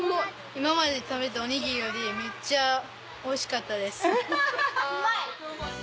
今までに食べたおにぎりよりめっちゃおいしかったです。